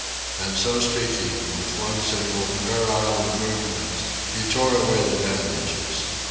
And so speaking, with one single, virile movement he tore away the bandages.